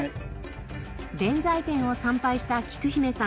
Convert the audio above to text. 弁財天を参拝したきく姫さん。